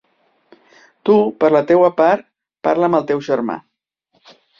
Tu, per la teua part, parla amb el teu germà.